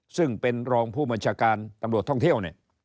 ซึ่งเป็นรองผู้บัญชาการตำรวจท่องเที่ยวเนี่ย